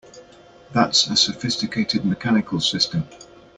That's a sophisticated mechanical system!